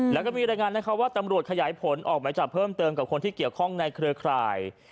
แล้วก็มีรายงานนะคะว่าตำรวจขยายผลออกหมายจับเพิ่มเติมกับคนที่เกี่ยวข้องในเครือข่าย